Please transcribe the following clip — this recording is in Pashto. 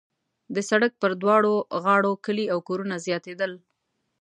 د سړک پر دواړو غاړو کلي او کورونه زیاتېدل.